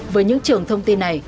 với những trường thông tin này